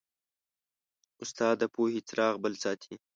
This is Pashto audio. استاد د پوهې څراغ بل ساتي.